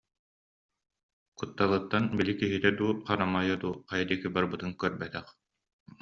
Кутталыттан били киһитэ дуу, харамайа дуу хайа диэки барбытын көрбөтөх